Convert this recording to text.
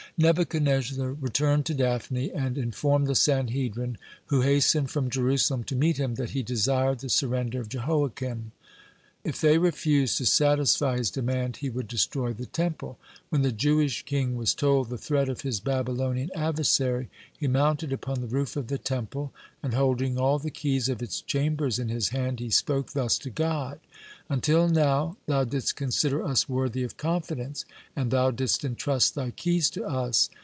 Nebuchadnezzar returned to Daphne, and informed the Sanhedrin, who hastened from Jerusalem to meet him, that he desired the surrender of Jehoiachin. If they refused to satisfy his demand, he would destroy the Temple. When the Jewish king was told the threat of his Babylonian adversary, he mounted upon the roof of the Temple, and, holding all the keys of its chambers in his hand, he spoke thus to God: "Until now Thou didst consider us worthy of confidence, and Thou didst entrust Thy keys to us.